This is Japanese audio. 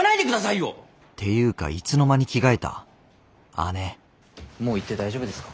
姉もう行って大丈夫ですか？